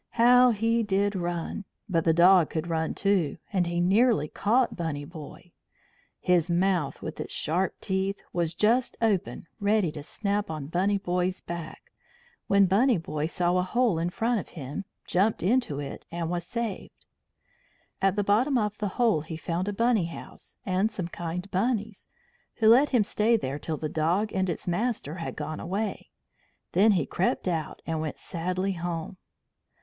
How he did run! But the dog could run too, and he nearly caught Bunny Boy. His mouth, with its sharp teeth, was just open ready to snap on Bunny Boy's back, when Bunny Boy saw a hole in front of him, jumped into it, and was saved. At the bottom of the hold he found a Bunny house, and some kind Bunnies, who let him stay there till the dog and its master had gone away. Then he crept out, and went sadly home.